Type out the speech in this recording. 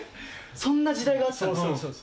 そんな時代があったんです